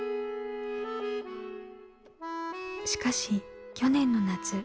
しかし去年の夏。